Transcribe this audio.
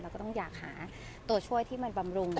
ก็ต้องอยากหาตัวช่วยที่มันบำรุง